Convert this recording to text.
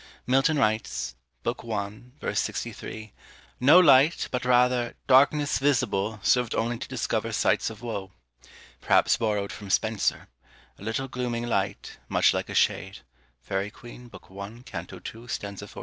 Milton writes, book i. v. 63 No light, but rather DARKNESS VISIBLE Served only to discover sights of woe. Perhaps borrowed from Spenser: A little glooming light, much like a shade. Faery Queene, b. i. c. 2. st. 14.